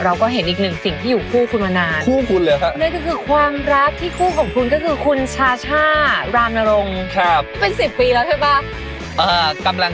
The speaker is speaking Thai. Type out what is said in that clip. เราก็เห็นอีกหนึ่งสิ่งที่อยู่คู่คุณมานาน